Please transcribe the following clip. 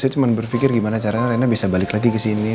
saya cuma berpikir gimana caranya rena bisa balik lagi ke sini